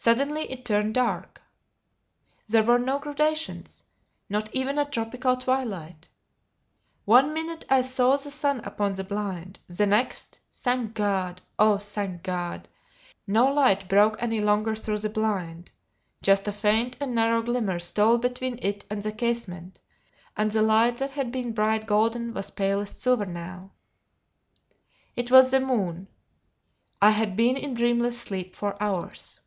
Suddenly it turned dark. There were no gradations not even a tropical twilight. One minute I aw the sun upon the blind; the next thank God! Oh, thank God! No light broke any longer through the blind; just a faint and narrow glimmer stole between it and the casement; and the light that had been bright golden was palest silver now. It was the moon. I had been in dreamless sleep for hours.